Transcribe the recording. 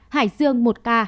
hải dương một ca